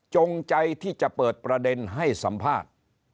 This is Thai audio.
จงใจที่จะเปิดประเด็นให้สัมภาษณ์